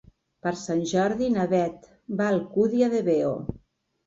Per Sant Jordi na Bet va a l'Alcúdia de Veo.